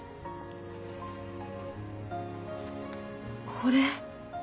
これ。